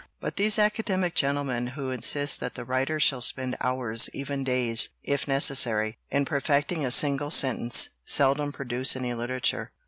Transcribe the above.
But these aca demic gentlemen, who insist that the writer shall spend hours, even days, if necessary, in perfecting a single sentence, seldom produce any literature.